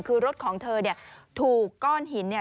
คือรถของเธอเนี่ยถูกก้อนหินเนี่ย